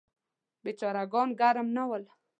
بیچاره ګان ګرم نه ول.